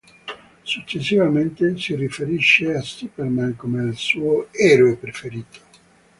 Successivamente si riferisce a Superman come al suo "eroe preferito".